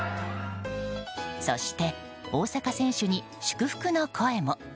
そして、大坂選手に祝福の声も。